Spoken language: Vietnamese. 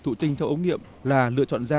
thủ tinh trong ống nghiệm là lựa chọn ra